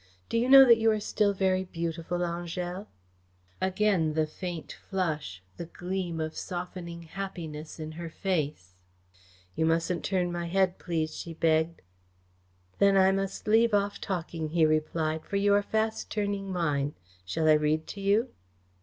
Do you know that you are still very beautiful, Angèle?" Again the faint flush, the gleam of softening happiness in her face. "You mustn't turn my head, please," she begged. "Then I must leave off talking," he replied, "for you are fast turning mine. Shall I read to you?"